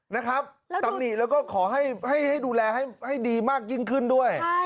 นะครับตำหนิแล้วก็ขอให้ดูแลให้ดีมากยิ่งขึ้นด้วย